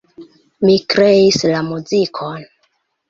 Mi kreis la muzikon.